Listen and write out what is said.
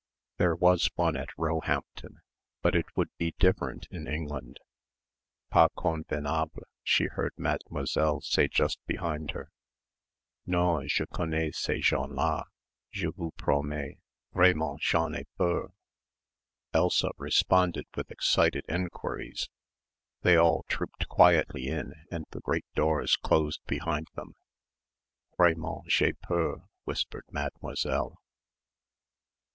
There was one at Roehampton. But it would be different in England. "Pas convenable," she heard Mademoiselle say just behind her, "non, je connais ces gens là, je vous promets ... vraiment j'en ai peur...." Elsa responded with excited enquiries. They all trooped quietly in and the great doors closed behind them. "Vraiment j'ai peur," whispered Mademoiselle.